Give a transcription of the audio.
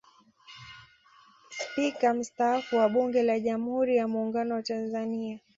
Spika mstaafu wa Bunge la Jamhuri ya Muungano wa Tanzania